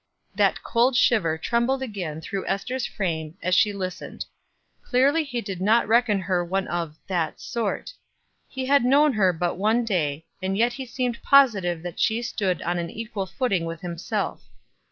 That cold shiver trembled again through Ester's frame as she listened. Clearly he did not reckon her one of "that sort." He had known her but one day, and yet he seemed positive that she stood on an equal footing with himself.